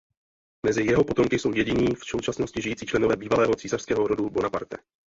Mezi jeho potomky jsou jediní v současnosti žijící členové bývalého císařského rodu Bonaparte.